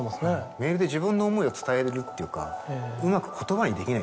メールで自分の思いを伝えるっていうか。